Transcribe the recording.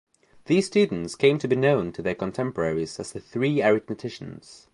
These students came to be known to their contemporaries as the Three Arithmeticians.